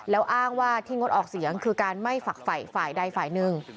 แล้วอ้างว่าที่งดออกเสียงคือการไม่ฝักฝ่ายฝ่ายใดฝ่ายหนึ่ง